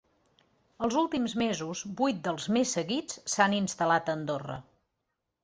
Els últims mesos, vuit dels més seguits s’han instal·lat a Andorra.